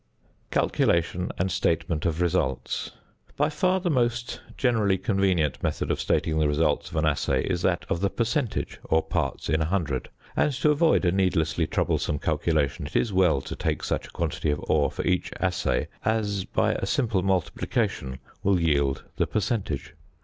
~Calculation and Statement of Results.~ By far the most generally convenient method of stating the results of an assay is that of the percentage or parts in a hundred, and to avoid a needlessly troublesome calculation it is well to take such a quantity of ore for each assay as by a simple multiplication will yield the percentage.